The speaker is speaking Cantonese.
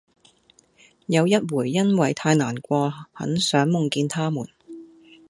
有一回因為太難過很想夢見他們